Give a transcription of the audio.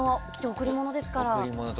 贈り物ですから。